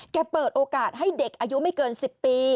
เปิดโอกาสให้เด็กอายุไม่เกิน๑๐ปี